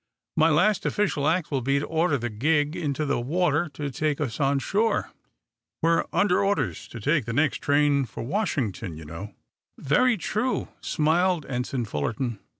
"My last official act will be to order the gig into the water to take us on shore. We're under orders to take the next train for Washington, you know." "Very true," smiled Ensign Fullerton.